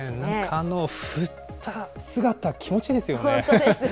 あの振った姿、気持ちいいですよね。